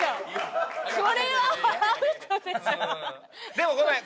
でもごめん。